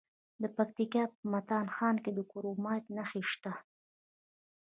د پکتیکا په متا خان کې د کرومایټ نښې شته.